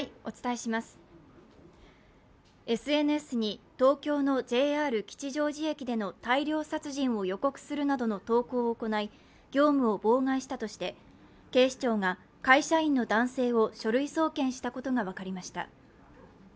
ＳＮＳに東京のＪＲ吉祥寺駅での大量殺人を予告するなどの投稿を行い業務を妨害したとして警視庁が会社員の男性を書類送検したことが分かりました。